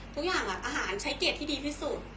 ทุกอย่างอาหารใช้เกรดที่ดีที่สุด